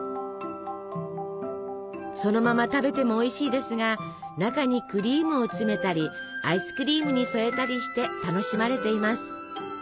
そのまま食べてもおいしいですが中にクリームを詰めたりアイスクリームに添えたりして楽しまれています。